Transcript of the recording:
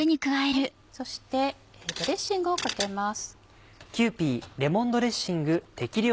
そしてドレッシングをかけます。